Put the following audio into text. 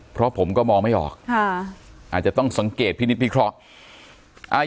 เพราะผมก็มองไม่ออกค่ะอาจจะต้องสังเกตพินิษฐพิเคราะห์